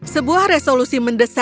sebuah resolusi mendesak disahkan